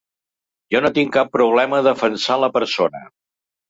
Jo no tinc cap problema a defensar la persona.